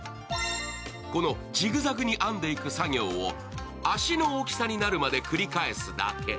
このジグザグに編んでいく作業を足の大きさになるまで繰り返すだけ。